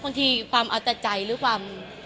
บางทีความอัตใจหรือความ